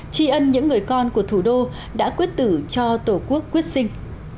tri ân những người con của thủ đô đã quyết tử cho tổ quốc quyết sinh